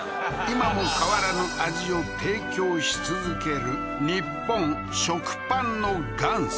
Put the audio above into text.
今も変わらぬ味を提供し続ける日本食パンの元祖